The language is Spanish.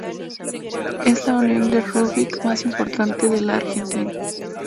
Es la unión de rugby más importante de la Argentina.